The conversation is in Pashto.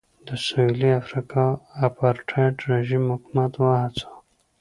د سوېلي افریقا اپارټایډ رژیم حکومت وهڅاوه.